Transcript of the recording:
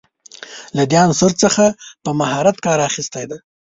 له دې عنصر څخه په مهارت کار اخیستی دی.